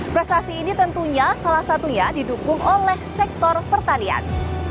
prestasi ini tentunya salah satunya didukung oleh sektor pertanian